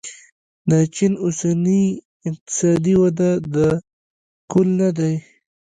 د چین اوسنۍ اقتصادي وده د کل نه دی.